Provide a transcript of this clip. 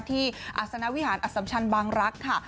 อาศนวิหารอสัมชันบางรักษ์ค่ะ